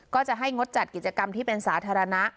ก็จะให้งดจัดกิจกรรมที่เป็นสาธารณะ